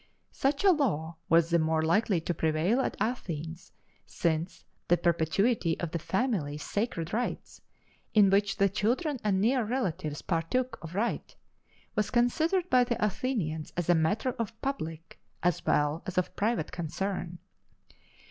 Such a law was the more likely to prevail at Athens, since the perpetuity of the family sacred rites, in which the children and near relatives partook of right, was considered by the Athenians as a matter of public as well as of private concern.